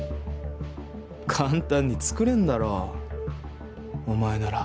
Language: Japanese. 簡単に作れるだろお前なら。